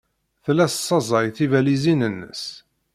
Tella tessaẓay tibalizin-nnes.